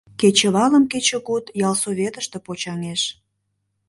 Кечывалым кечыгут ялсоветыште почаҥеш.